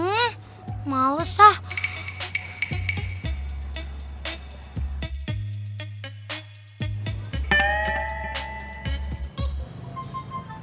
mendingan aku ke ladangnya kang kusoi aja